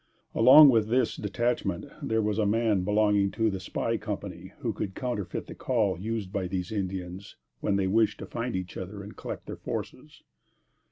Along with this detachment, there was a man belonging to the spy company who could counterfeit the call used by these Indians when they wish to find each other and collect their forces.